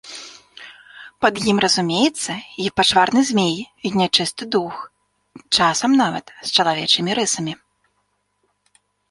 Пад ім разумеецца і пачварны змей, і нячысты дух, часам нават з чалавечымі рысамі.